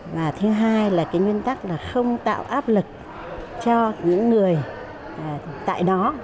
và thứ hai là cái nguyên tắc là không tạo áp lực cho những người tại đó